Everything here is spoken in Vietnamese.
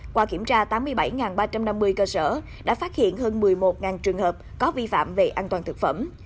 qua kiểm tra tám mươi bảy ba trăm năm mươi cơ sở đã phát hiện hơn một mươi một trường hợp có vi phạm về an toàn thực phẩm